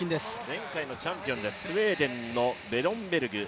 前回のチャンピオンです、スウェーデンのブロンベルグ。